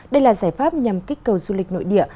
đây là giải pháp nhằm kích cầu du lịch nội địa